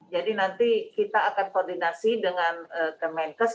jadi nanti kita akan koordinasi dengan kemenkes